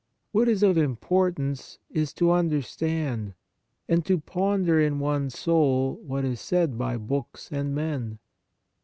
What is of importance is to under stand, and to ponder in one's soul what is said by books and men.